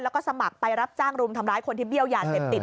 แล้วก็สมัครไปรับจ้างรุมทำร้ายคนที่เบี้ยวยาเสพติด